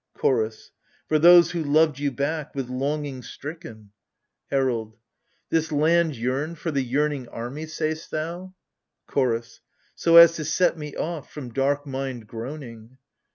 CHOROS. For those who loved you back, with longing stricken. 46 AGAMEMNON. HERALD. This land yearned for the yearning army, say'st thou ? CHORDS. So as to set me oft, from dark mind, groaning.